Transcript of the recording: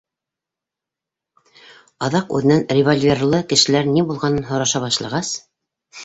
Аҙаҡ үҙенән револьверлы кешеләр ни булғанын һораша башлағас: